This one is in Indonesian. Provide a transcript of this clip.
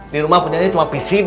di rumah punya aja cuma pcd